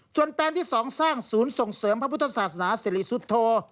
ส่วนแปลงที่๒สร้างศูนย์ส่งเสริมพระพุทธศาสนาสิริสุทธโธ